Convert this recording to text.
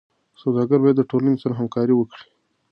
سوداګر باید د ټولنې سره همکاري وکړي.